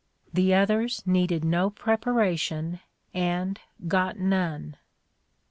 The others needed no preparation and got none.